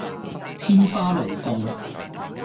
天花龍鳳